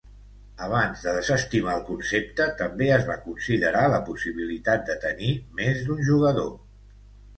Abans de desestimar el concepte, també es va considerar la possibilitat de tenir més d'un jugador.